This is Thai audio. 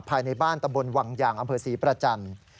ภายในบ้านตำบลวังยางอำเภอศรีประจันทร์